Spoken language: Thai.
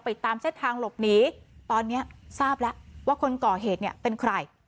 ตามเส้นทางหลบหนีตอนเนี้ยทราบแล้วว่าคนก่อเหตุเนี่ยเป็นใคร